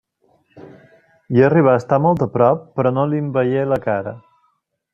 Hi arribà a estar molt a prop, però no li'n veié la cara.